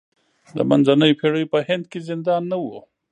د منځنیو پېړیو په هند کې زندان نه و.